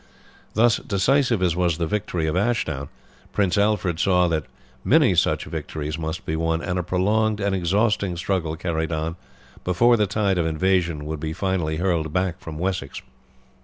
Thus, decisive as was the victory of Ashdown, Prince Alfred saw that many such victories must be won, and a prolonged and exhausting struggle carried on before the tide of invasion would be finally hurled back from Wessex.